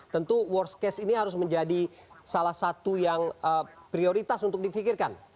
tentu worst case ini harus menjadi salah satu yang prioritas untuk difikirkan